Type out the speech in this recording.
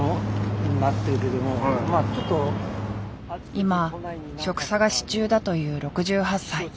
今職探し中だという６８歳。